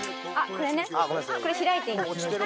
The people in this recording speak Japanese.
これねこれ開いていいんですか？